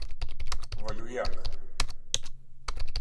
Volujak